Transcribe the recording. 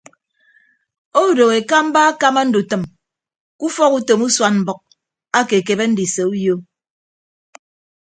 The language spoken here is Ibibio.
Odooho ekamba akama ndutʌm ke ufọk utom usuan mbʌk ake ekebe ndise uyo.